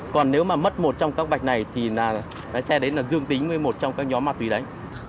còn nếu mà mất một trong các bạch này thì là cái xe đấy là dương tính với một trong các nhóm ma túy đấy